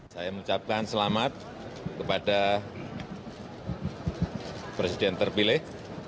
saya mengucapkan selamat kepada presiden terpilih